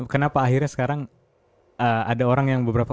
kenapa akhirnya sekarang ada orang yang beberapa